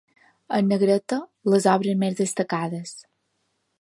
En negreta, les obres més destacades.